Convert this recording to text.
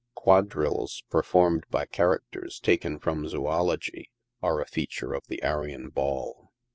Quadrilles performed by characters taken from zoology, are a fea ture of the Arion Ball.